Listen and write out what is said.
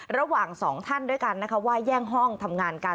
ระหว่างสองท่านด้วยกันนะคะว่าแย่งห้องทำงานกัน